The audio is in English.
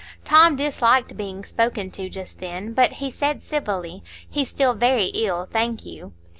Tom disliked being spoken to just then; but he said civilly, "He's still very ill, thank you."